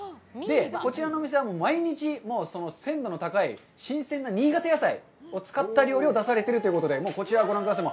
こちらのお店は毎日鮮度の高い新鮮な新潟野菜を使った料理を出されてるということで、こちら、ご覧ください。